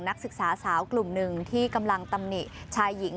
นักศึกษาสาวกลุ่มหนึ่งที่กำลังตำหนิชายหญิง